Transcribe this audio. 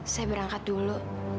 saya berangkat dulu